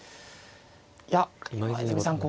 いや今泉さん